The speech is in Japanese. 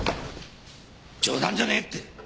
冗談じゃねえって。